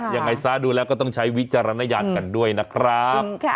ยังไงซะดูแล้วก็ต้องใช้วิจารณญาณกันด้วยนะครับ